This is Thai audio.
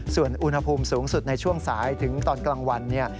ส่วนอุณหภูมิสูงสุดในช่วงสายถึงตอนกลางวันเนี่ย